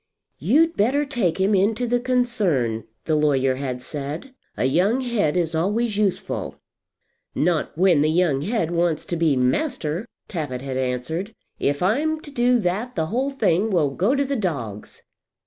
"You'd better take him into the concern," the lawyer had said. "A young head is always useful." "Not when the young head wants to be master," Tappitt had answered. "If I'm to do that the whole thing will go to the dogs."